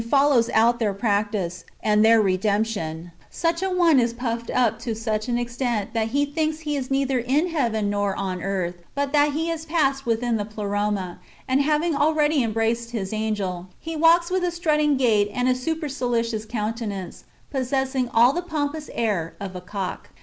But if any one do yield himself up to them like a little sheep, and follows out their practice, and their '• redemption," such an one is puffed up to such an extent, that he thinks he is neither in heaven nor on earth, but that he has passed within the Pleroma; and having already embraced his angel, he walks with a strutting gait and a supercilious countenance, possessing all the pompous air of a cock.